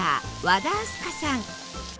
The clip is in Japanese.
和田明日香さん。